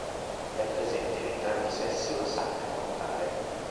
È presente in entrambi i sessi una sacca frontale.